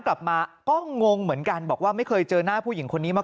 กลับมาก็งงเหมือนกันบอกว่าไม่เคยเจอหน้าผู้หญิงคนนี้มา